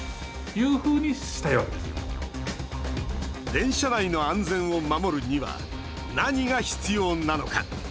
電車内の安全を守るには何が必要なのか。